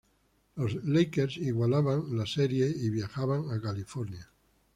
Los Lakers igualaban la serie y viajaban a California.